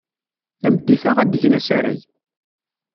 Tameddit-a, ad d-gen asarag.